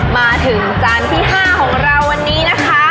มาถึงจานที่๕ของเราวันนี้นะคะ